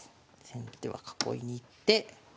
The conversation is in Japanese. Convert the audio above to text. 先手は囲いに行って。